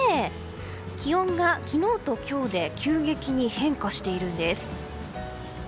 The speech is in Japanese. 気温が昨日と今日で急激に変化しているんです。